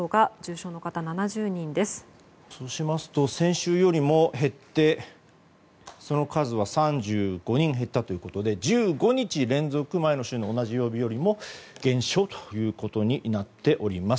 そうしますと先週よりも減ってその数は３５人減ったということで１５日連続前の週の同じ曜日より減少となっております。